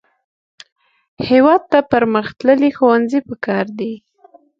هېواد ته پرمختللي ښوونځي پکار دي